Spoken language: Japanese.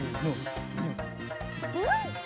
うん！